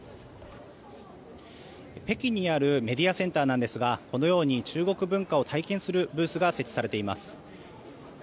北京にあるメディアセンターなんですがこのように中国文化を体験するブースが設置されています。